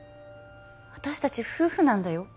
私達夫婦なんだよ